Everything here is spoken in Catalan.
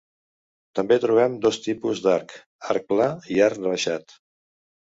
També trobem dos tipus d'arc: arc pla i arc rebaixat.